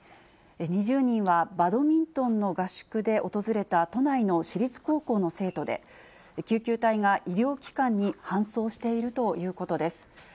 ２０人はバドミントンの合宿で訪れた都内の私立高校の生徒で、救急隊が医療機関に搬送しているということです。